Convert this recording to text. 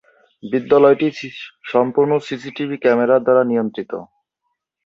বিদ্যালয়টি সম্পূর্ণ "CCTV camera" নিয়ন্ত্রিত।